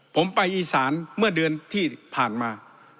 ผมไปอีสานเมื่อเดือนที่ผ่านมา